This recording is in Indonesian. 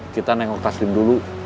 kita nengok taslim dulu